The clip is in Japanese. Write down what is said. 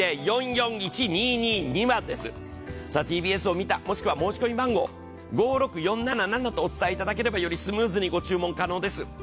ＴＢＳを見た、もしくは申し込み番号５６４７７を伝えていただければよりスムーズにご注文可能です。